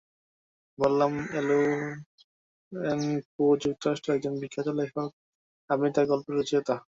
বললাম, Allen Poe যুক্তরাষ্ট্রের একজন বিখ্যাত লেখক, আপনি তাঁর গল্পের রচয়িতা।